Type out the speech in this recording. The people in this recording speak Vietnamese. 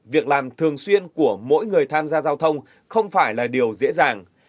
việc làm thường xuyên của mỗi người tham gia giao thông không phải là điều dễ dàng